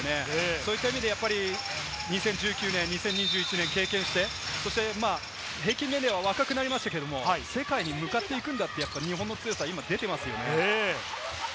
そういった意味で、２０１９年、２０２１年を経験して平均年齢は若くなりましたけれども、世界に向かっていくんだって日本の強さは出ていますよね。